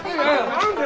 何で！？